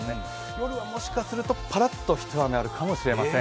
夜はもしかすると、パラッと一雨あるかもしれません。